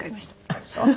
あっそう。